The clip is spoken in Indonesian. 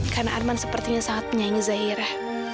karena arman sepertinya sangat menyayangi zahira